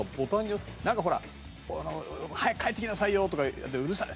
ほら「早く帰ってきなさいよ」とかうるさい。